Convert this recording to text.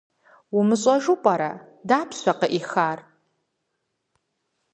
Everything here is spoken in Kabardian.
УмыщӀэжу пӀэрэ, дапщэ къыӀихар?